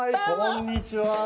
こんにちは！